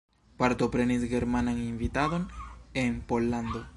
Partoprenis germanan invadon en Pollando.